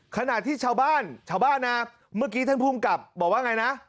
ขณะที่ชาวบ้านชาวบ้านนะเมื่อกี้ท่านภูมิกับบอกว่าไงนะ